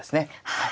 はい。